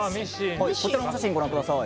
こちらのお写真をご覧ください。